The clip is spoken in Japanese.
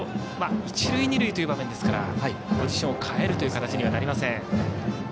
一塁二塁という場面ですからポジションを変える形にはなりません。